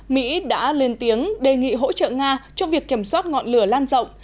mỹ đã lên tiếng đề nghị hỗ trợ nga trong việc kiểm soát ngọn lửa lan rộng